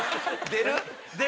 出る。